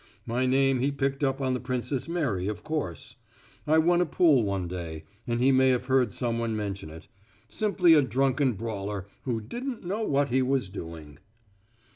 My name he picked up on the Princess Mary, of course; I won a pool one day, and he may have heard some one mention it. Simply a drunken brawler who didn't know what he was doing."